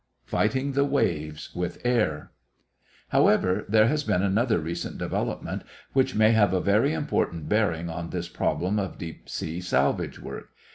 FIGHTING THE WAVES WITH AIR However, there has been another recent development which may have a very important bearing on this problem of deep sea salvage work.